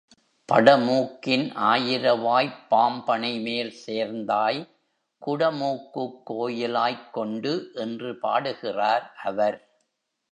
படமூக்கின் ஆயிரவாய்ப் பாம்பணைமேல் சேர்ந்தாய் குடமூக்குக் கோயிலாய்க் கொண்டு என்று பாடுகிறார் அவர்.